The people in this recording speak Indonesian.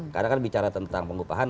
karena kan bicara tentang pengupahan